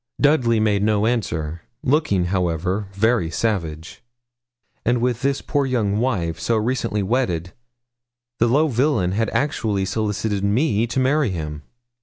Dudley made no answer, looking, however, very savage. And with this poor young wife, so recently wedded, the low villain had actually solicited me to marry him!